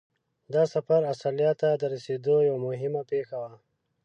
دا سفر استرالیا ته د رسېدو یوه مهمه پیښه وه.